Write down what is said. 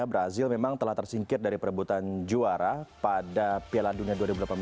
brazil memang telah tersingkir dari perebutan juara pada piala dunia dua ribu delapan belas